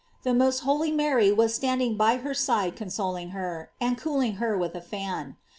The most holy Mary was stand ing by her side consoling her, and cooling her with a fan.